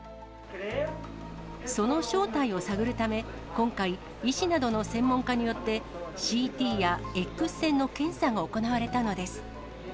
その正体を探るため、今回、医師などの専門家によって、ＣＴやＸ線の検査が行われたのです。